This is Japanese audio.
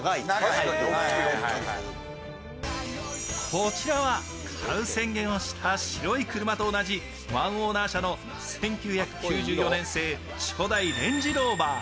こちらは買う宣言をした白い車と同じワンオーナー車の１９９４年製初代レンジローバー。